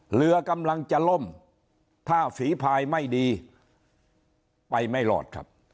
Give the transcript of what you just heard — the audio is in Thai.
เรือกำลังจะล่มถ้าฝีพายไม่ดีไปไม่รอดครับ